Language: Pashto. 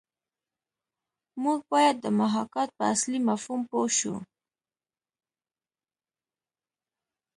موږ باید د محاکات په اصلي مفهوم پوه شو